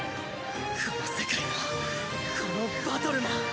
この世界もこのバトルも。